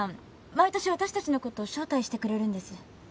毎年私たちのこと招待してくれるんです。